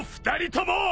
２人とも！